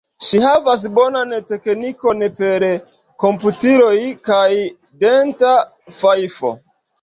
Ŝi havas bonan teknikon per komputiloj kaj denta fajfo.